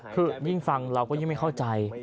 คือยิ่งฟังเราก็ยิ่งไม่เข้าใจ